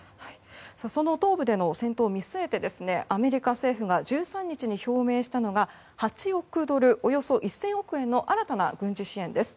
その東部での戦闘を見据えてアメリカ政府が１３日に表明したのが８億ドル＝およそ１０００億円の新たな軍事支援です。